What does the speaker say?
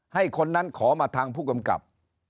ให้คนนั้นขอมาทางผู้กำกับ